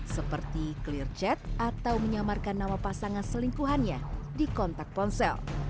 seperti clear chat atau menyamarkan nama pasangan selingkuhannya di kontak ponsel